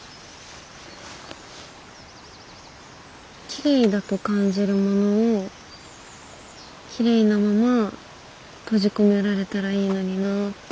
きれいだと感じるものをきれいなまま閉じ込められたらいいのになぁって。